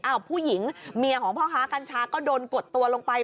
ผู้หญิงเมียของพ่อค้ากัญชาก็โดนกดตัวลงไป